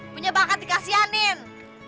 punya bakat dikasihkan